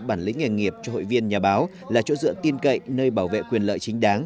bản lĩnh nghề nghiệp cho hội viên nhà báo là chỗ dựa tin cậy nơi bảo vệ quyền lợi chính đáng